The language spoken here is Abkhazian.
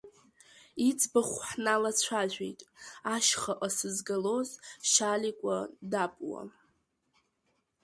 Иӡбахә ҳналацәажәеит, ашьхаҟа сызгалоз Шьаликәа Дапуа.